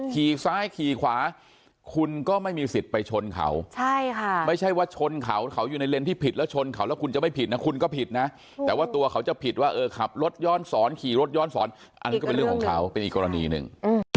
ขี่ซ้ายขี่ขวาคุณก็ไม่มีสิทธิ์ไปชนเขาใช่ค่ะไม่ใช่ว่าชนเขาเขาอยู่ในเลนส์ที่ผิดแล้วชนเขาแล้วคุณจะไม่ผิดนะคุณก็ผิดนะแต่ว่าตัวเขาจะผิดว่าเออขับรถย้อนสอนขี่รถย้อนสอนอันนี้ก็เป็นเรื่องของเขาเป็นอีกกรณีหนึ่ง